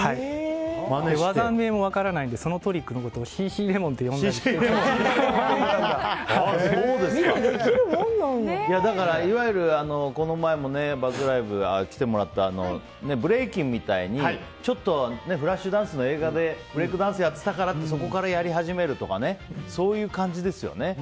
技名も分からないのでそのトリックのことをいわゆる、この前もＢＵＺＺＬＩＶＥ！に来てもらったブレイキンみたいにフラッシュダンスの映画でブレイクダンスやってたからってそこからやり始めるとかそういう感じですよね。